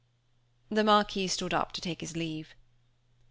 The Marquis stood up to take his leave.